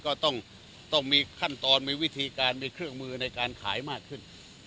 ก็ต้องมีขั้นตอนมีวิธีการมีเครื่องมือในการขายมากขึ้น